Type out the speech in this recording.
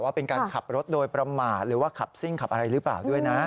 ว่าเป็นการขับรถโดยประมาทหรือว่าขับซิ่งขับอะไรหรือเปล่าด้วยนะ